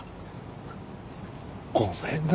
ごめんな。